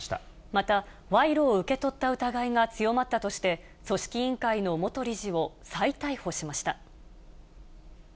また、賄賂を受け取った疑いが強まったとして、組織委員会の元理事を再逮捕しました。